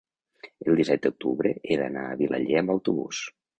el disset d'octubre he d'anar a Vilaller amb autobús.